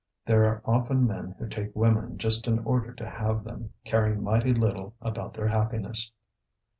There are often men who take women just in order to have them, caring mighty little about their happiness.